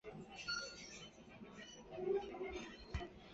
国家公园管理局也配备了一定数量的救生艇。